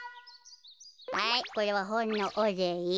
はいこれはほんのおれい。